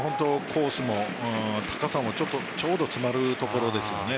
コースも高さもちょうど詰まるところですよね。